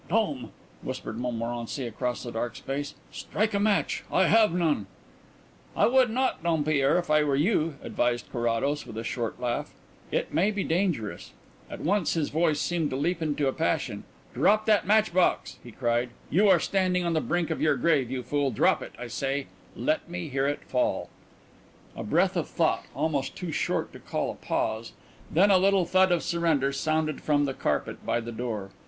"Dom," whispered Montmorency across the dark space, "strike a match. I have none." "I would not, Dompierre, if I were you," advised Carrados, with a short laugh. "It might be dangerous." At once his voice seemed to leap into a passion. "Drop that matchbox," he cried. "You are standing on the brink of your grave, you fool! Drop it, I say; let me hear it fall." A breath of thought almost too short to call a pause then a little thud of surrender sounded from the carpet by the door.